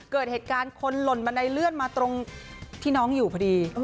เกิดเหตุการณ์คนหล่นบันไดเลื่อนมาตรงที่น้องอยู่พอดี